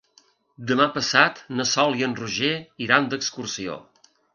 Demà passat na Sol i en Roger iran d'excursió.